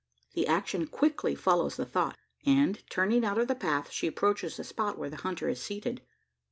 The action quickly follows the thought; and, turning out of the path, she approaches the spot where the hunter is seated.